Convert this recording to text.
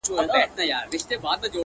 شاوخوا ټولي سيمي ـ